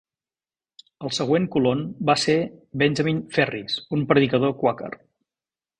El següent colon va ser Benjamin Ferris, un predicador Quaker.